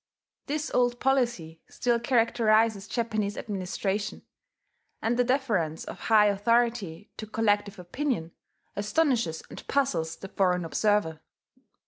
This old policy still characterizes Japanese administration; and the deference of high authority to collective opinion astonishes and puzzles the foreign observer.